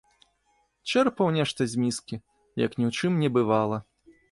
Чэрпаў нешта з міскі, як ні ў чым не бывала.